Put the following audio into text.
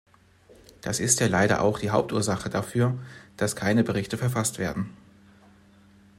Das ist ja leider auch die Hauptursache dafür, dass keine Berichte verfasst werden.